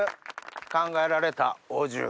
考えられたお重。